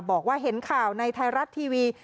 บอกว่าเห็นข่าวในไทยรัฐทีวี